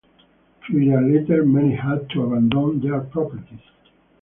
A few years later, many had to abandon their properties.